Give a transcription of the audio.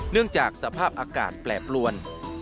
เนื่องจากสภาพอากาศแปลบลวน